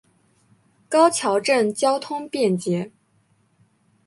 高桥镇交通便捷。